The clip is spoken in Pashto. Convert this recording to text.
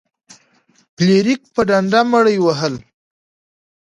فلیریک په ډنډه مړي وهل.